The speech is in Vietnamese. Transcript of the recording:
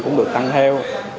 cũng được tăng theo